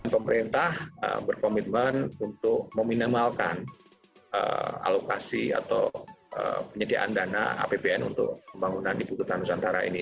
pemerintah berkomitmen untuk meminimalkan alokasi atau penyediaan dana apbn untuk pembangunan ibu kota nusantara ini